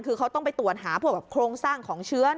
คือเขาต้องไปตรวจหาพวกโครงสร้างของเชื้อ